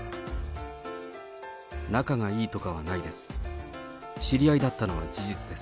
仲がいいとかはないです。